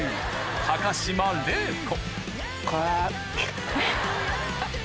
高島礼子